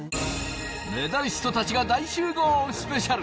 メダリストたちが大集合スペシャル。